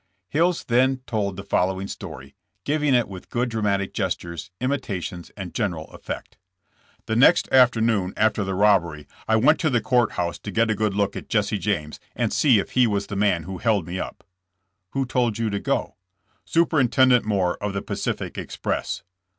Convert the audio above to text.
'' ITHB TRIAI, FOR TRAIN ROBBERY. l65 Hills then told the following story, giving it with good dramatic gestures, imitations and general effect : "The next afternoon after the robbery I went to the court house to get a good look at Jesse James an(i see if he was the man who held me up." ''Who told you to goV "Superintendent Moore of the Pacific Express."